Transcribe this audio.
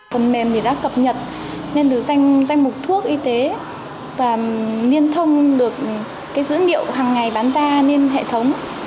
phần mềm đã cập nhật nên được danh mục thuốc y tế và niên thông được dữ liệu hàng ngày bán ra nên hệ thống